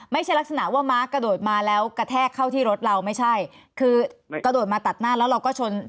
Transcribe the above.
ไม่ใช่ลักษณะว่าม้ากระโดดมาแล้วกระแทกเข้าที่รถเราไม่ใช่คือกระโดดมาตัดหน้าแล้วเราก็ชน